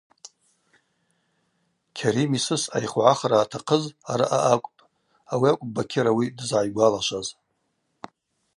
Кьарим йсыс ъайхвгӏахра атахъыз араъа акӏвпӏ, ауи акӏвпӏ Бакьыр ауи дызгӏайгвалашваз.